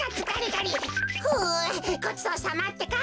ふうごちそうさまってか。